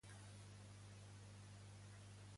Vull un Lyft que em porti fins al Raval.